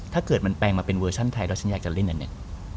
ถ้าเกิดมันแปลงมาเป็นเวอร์ชั่นไทยแล้วฉันอยากจะเล่นอันหนึ่ง